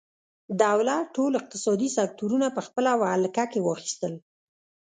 دولت ټول اقتصادي سکتورونه په خپله ولکه کې واخیستل.